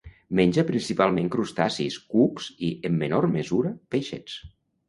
Menja principalment crustacis, cucs i, en menor mesura, peixets.